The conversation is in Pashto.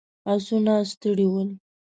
آسونه ستړي ول.